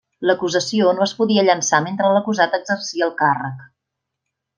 L'acusació no es podia llençar mentre l'acusat exercia el càrrec.